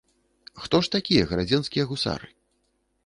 Хто ж такія гарадзенскія гусары?